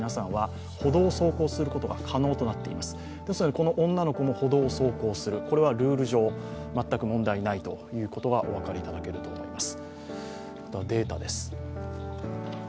この女の子も歩道を走行するこれはルール上、全く問題ないことがお分かりいただけると思います。